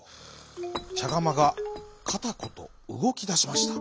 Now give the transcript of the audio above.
ちゃがまがカタコトうごきだしました。